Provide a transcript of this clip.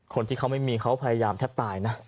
คนที่เขาไม่มีเขาพยายามแทบตายนะ